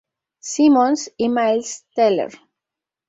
Simmons y Miles Teller".